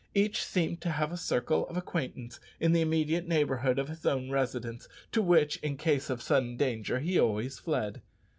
Each seemed to have a circle of acquaintance in the immediate neighbourhood of his own residence, to which in case of sudden danger he always fled.